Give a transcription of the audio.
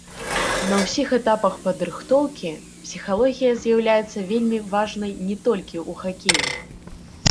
На ўсіх этапах падрыхтоўкі псіхалогія з'яўляецца вельмі важнай не толькі ў хакеі.